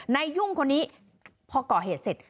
นายยุ่งคนนี้พอก่อเหตุเสร็จ